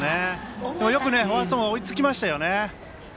よくファーストも追いつきましたよね。